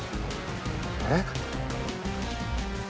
えっ！？